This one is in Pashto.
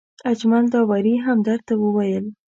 اجمل داوري همدرد ته وویل.